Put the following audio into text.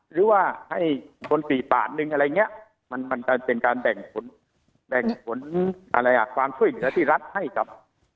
หรือว่าให้คนผลิต๑บาทนึงอะไรอย่างนี้มันก็เป็นการแบ่งความช่วยเหลือที่รัฐให้กับ